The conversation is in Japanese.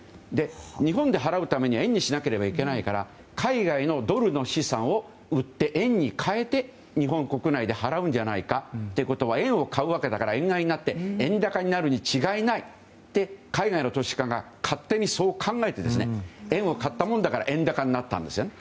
日本で払うためには円にしなければいけないから海外のドルの資産を売って円に換えて日本国内で払うんじゃないかということはということは円を買うわけだから円買いになって円高になるに違いないと海外の投資家が勝手にそう考えて円を買ったものだから円高になったんですよね。